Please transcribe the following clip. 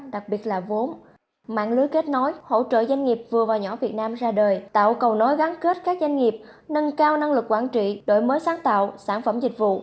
đặc biệt là vốn mạng lưới kết nối hỗ trợ doanh nghiệp vừa và nhỏ việt nam ra đời tạo cầu nối gắn kết các doanh nghiệp nâng cao năng lực quản trị đổi mới sáng tạo sản phẩm dịch vụ